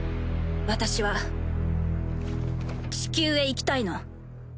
私は地球へ行きたいの。